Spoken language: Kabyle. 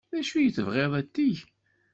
D acu i tebɣiḍ ad teg?